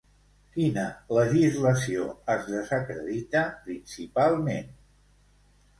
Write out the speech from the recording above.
Quina legislació es desacredita, principalment?